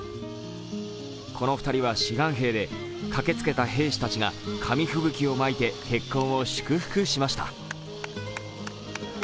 この２人は志願兵で、駆けつけた兵士たちが紙吹雪をまいて、結婚を祝福しました。